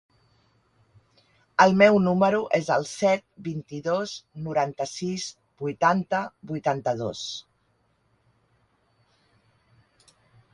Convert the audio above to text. El meu número es el set, vint-i-dos, noranta-sis, vuitanta, vuitanta-dos.